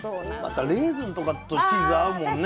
またレーズンとかとチーズ合うもんね